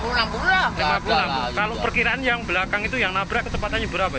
kalau perkiraan yang belakang itu yang nabrak kecepatannya berapa